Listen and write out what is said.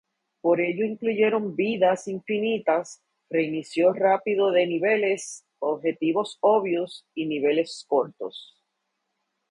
Por ello incluyeron vidas infinitas, reinicio rápido de niveles, objetivos obvios, y niveles cortos.